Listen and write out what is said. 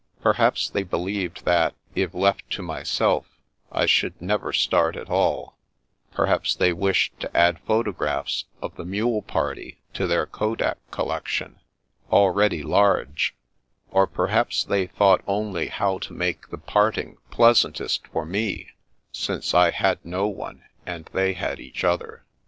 Perhaps they believed that, if left to my self, I should never start at all ; perhaps they wished to add photographs of the mule party to their Kodak The Making of a Mystery 95 collection, already large; or perhaps they thought only how to make the parting pleasantest for me, since I had no one, and they had each other.